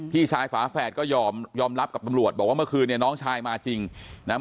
พี่ชายฝาแฝดก็ยอมยอมรับกับตำรวจบอกว่าเมื่อคืนเนี่ยน้องชายมาจริงนะ